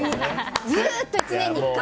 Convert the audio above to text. ずっと、１年に１回。